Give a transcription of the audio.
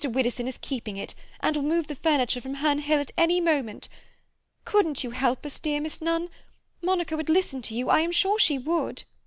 Widdowson is keeping it, and will move the furniture from Herne Hill at any moment. Couldn't you help us, dear Miss Nunn? Monica would listen to you; I am sure she would."